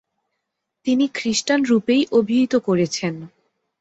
তিনি খ্রিস্টান রূপেই অভিহিত করেছেন।